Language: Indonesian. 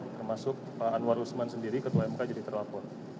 termasuk pak anwar usman sendiri ketua mk jadi terlapor